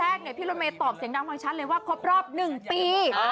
คือตอนแรกพี่รถเมย์ตอบเสียงดังฟังชันเลยว่าครบรอบหนึ่งปี